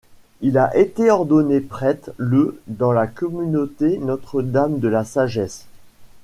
Il a été ordonné prêtre le dans la communauté Notre-Dame de la Sagesse.